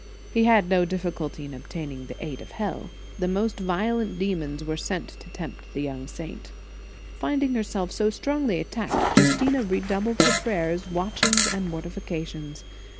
He had no diffi culty in obtaining the aid of hell. The most violent demons were sent to tempt the young saint. Finding herself so strongly attacked, Justina redoubled her prayers, watchings and mortifications.